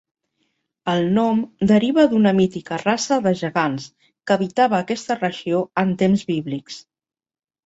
El nom deriva d'una mítica raça de gegants que habitava aquesta regió en temps bíblics.